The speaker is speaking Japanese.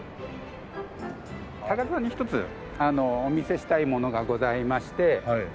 高田さんに一つお見せしたいものがございまして。